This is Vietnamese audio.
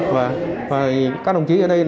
và các đồng chí ở đây